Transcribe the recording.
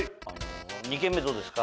２軒目どうですか？